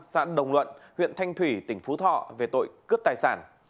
xã đồng luận huyện thanh thủy tỉnh phú thọ về tội cướp tài sản